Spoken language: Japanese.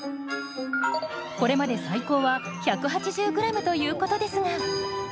これまで最高は１８０ｇということですが。